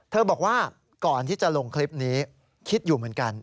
บอกว่าก่อนที่จะลงคลิปนี้คิดอยู่เหมือนกัน